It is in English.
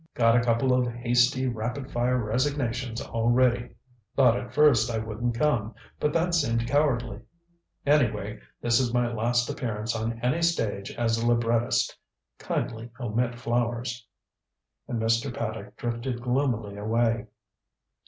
Got a couple of hasty rapid fire resignations all ready. Thought at first I wouldn't come but that seemed cowardly. Anyway, this is my last appearance on any stage as a librettist. Kindly omit flowers." And Mr. Paddock drifted gloomily away.